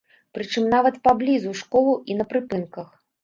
Прычым нават паблізу школаў і на прыпынках.